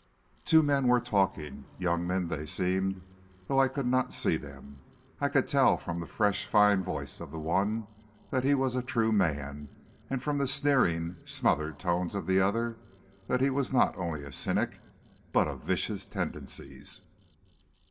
"Two men were talking. Young men they seemed, and though I could not see them, I could tell from the fresh, fine voice of the one that he was a true man, and from the sneering, smothered tones of the other that he was not only a cynic, but of vicious tendencies.